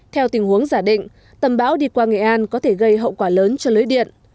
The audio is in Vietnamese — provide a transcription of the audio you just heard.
theo tình huống giả định tầm bão đi qua nghệ an có thể gây hậu quả lớn cho lưới điện